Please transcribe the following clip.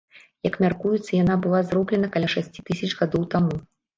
Як мяркуецца, яна была зроблены каля шасці тысяч гадоў таму.